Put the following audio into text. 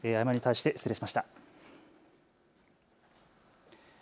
誤りに対して失礼しました。